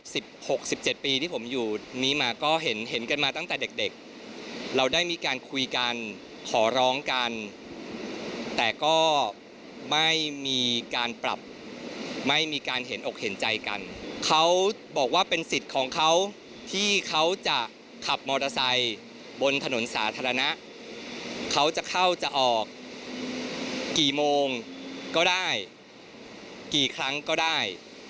หกสิบเจ็ดปีที่ผมอยู่นี้มาก็เห็นเห็นกันมาตั้งแต่เด็กเด็กเราได้มีการคุยกันขอร้องกันแต่ก็ไม่มีการปรับไม่มีการเห็นอกเห็นใจกันเขาบอกว่าเป็นสิทธิ์ของเขาที่เขาจะขับมอเตอร์ไซค์บนถนนสาธารณะเขาจะเข้าจะออกกี่โมงก็ได้กี่ครั้งก็ได้